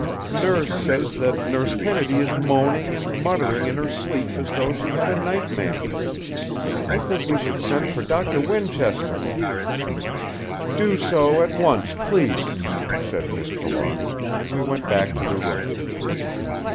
Nurse says that Nurse Kennedy is moaning and muttering in her sleep as though she had a nightmare. I think we should send for Dr. Winchester." "Do so at once, please!" said Miss Trelawny; and we went back to the room.